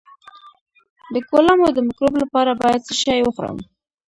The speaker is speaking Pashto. د کولمو د مکروب لپاره باید څه شی وخورم؟